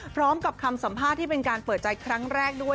พร้อมกับคำสัมภาษณ์ที่เป็นการเปิดใจครั้งแรกด้วย